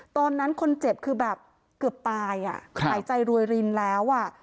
ตอนนั้นคนเจ็บคือแบบเกือบตายอ่ะหายใจรวยรินแล้วอ่ะ